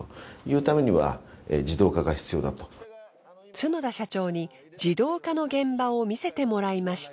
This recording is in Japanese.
角田社長に自動化の現場を見せてもらいました。